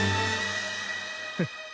フッ